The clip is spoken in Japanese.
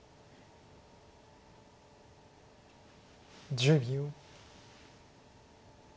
１０秒。